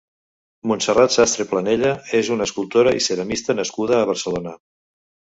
Montserrat Sastre Planella és una escultora i ceramista nascuda a Barcelona.